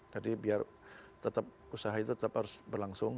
jadi biar tetap usaha itu tetap harus berlangsung